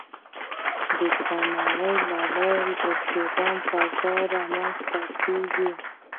د درناوي له لارې د احترام فضا رامنځته کېږي.